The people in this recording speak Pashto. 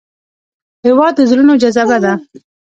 هېواد د زړونو جذبه ده.